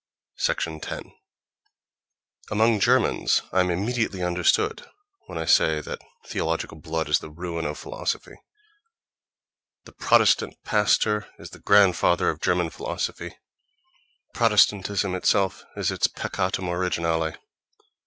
10. Among Germans I am immediately understood when I say that theological blood is the ruin of philosophy. The Protestant pastor is the grandfather of German philosophy; Protestantism itself is its peccatum originale.